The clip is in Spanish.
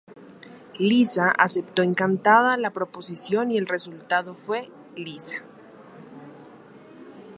Lisa aceptó encantada la proposición y el resultado fue "Lisa".